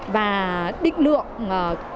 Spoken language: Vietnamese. và định lượng